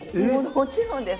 もちろんです。